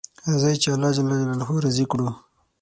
راځئ چې الله جل جلاله راضي کړو